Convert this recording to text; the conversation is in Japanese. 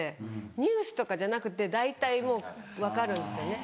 ニュースとかじゃなくて大体もう分かるんですよね。